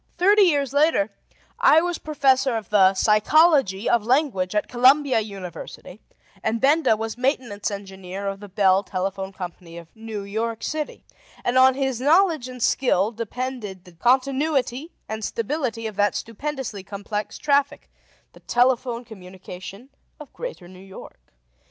Thirty years later, I was Professor of the Psychology of Language at Columbia University, and Benda was Maintenance Engineer of the Bell Telephone Company of New York City; and on his knowledge and skill depended the continuity and stability of that stupendously complex traffic, the telephone communication of Greater New York.